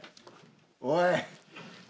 おい！